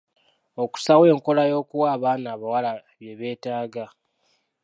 Okussaawo enkola y'okuwa abaana abawala byebeetaga.